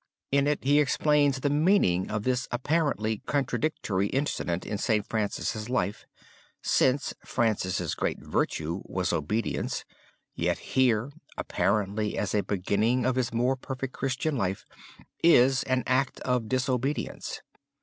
In it he explains the meaning of this apparently contradictory incident in St. Francis' life, since Francis' great virtue was obedience, yet here, apparently as a beginning of his more perfect Christian life, is an act of disobedience.